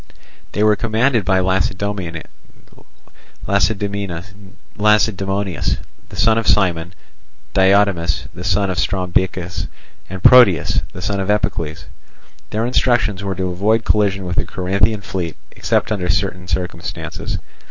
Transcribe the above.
They were commanded by Lacedaemonius, the son of Cimon, Diotimus, the son of Strombichus, and Proteas, the son of Epicles. Their instructions were to avoid collision with the Corinthian fleet except under certain circumstances.